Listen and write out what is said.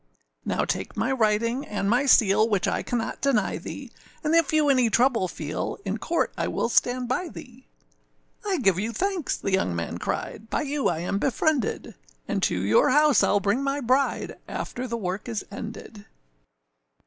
âNow take my writing and my seal, Which I cannot deny thee, And if you any trouble feel, In court I will stand by thee.â âI give you thanks,â the young man cried, âBy you I am befriended, And to your house Iâll bring my bride After the work is ended.